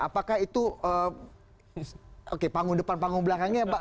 apakah itu oke panggung depan panggung belakangnya pak